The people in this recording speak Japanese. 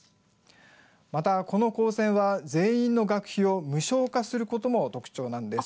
また、この高専は全員の学費を無償化することも特徴なんです。